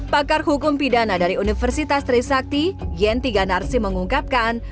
pakar hukum pidana dari universitas trisakti yen tiga narsi mengungkapkan